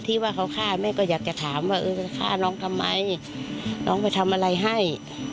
ที่ว่าเขาฆ่าแม่ก็อยากจะถามว่าเออจะฆ่าน้องทำไมน้องไปทำอะไรให้